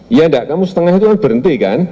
iya enggak kamu setengah itu kan berhenti kan